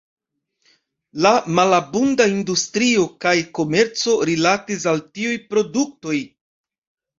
La malabunda industrio kaj komerco rilatis al tiuj produktoj.